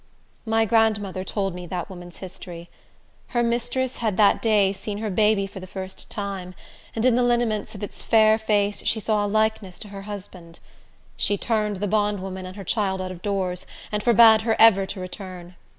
My grandmother told me that woman's history. Her mistress had that day seen her baby for the first time, and in the lineaments of its fair face she saw a likeness to her husband. She turned the bondwoman and her child out of doors, and forbade her ever to return.